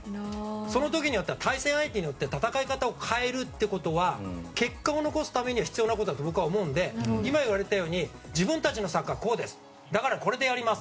その時の対戦相手によって戦い方を変えるってことは結果を残すためには必要なことだと思うので今言ったように自分たちのサッカーはこうですだから、これでやります！